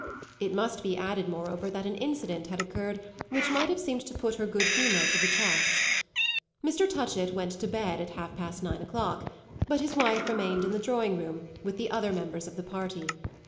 It must be added moreover that an incident had occurred which might have seemed to put her good humour to the test. Mr. Touchett went to bed at half past nine o'clock, but his wife remained in the drawing room with the other members of the party.